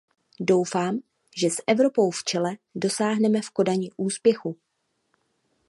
Doufám, že s Evropou v čele dosáhneme v Kodani úspěchu.